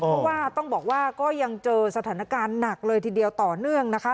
เพราะว่าต้องบอกว่าก็ยังเจอสถานการณ์หนักเลยทีเดียวต่อเนื่องนะคะ